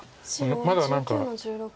まだ何か。